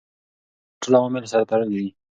دا ټول عوامل سره تړلي دي.